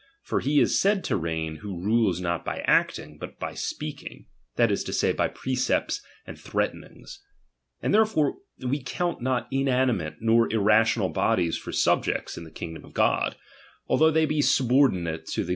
For he is said to reign, who rules not by acting, but speaking, that is to say, by precepts and ihreatenings. And therefore we count not inani^ mate nor irrational bodies for subjects in the king S RELTGTON. 20S] dom of God, although they be subordinate to the chap.